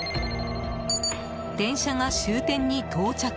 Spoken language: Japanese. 電車が終点に到着。